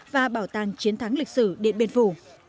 và bảo tàng chiến thắng lịch sử điện biên phủ